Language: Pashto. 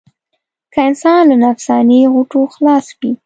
که انسان له نفسياتي غوټو خلاص وي.